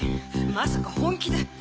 まさか本気で。